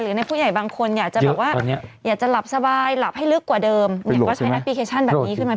ในผู้ใหญ่บางคนอยากจะแบบว่าอยากจะหลับสบายหลับให้ลึกกว่าเดิมเนี่ยก็ใช้แอปพลิเคชันแบบนี้ขึ้นมา